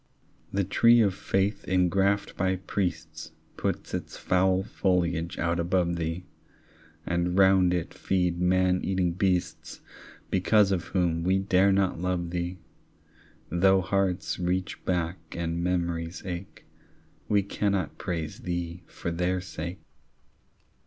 The tree of faith ingraffed by priests Puts its foul foliage out above thee, And round it feed man eating beasts Because of whom we dare not love thee; Though hearts reach back and memories ache, We cannot praise thee for their sake.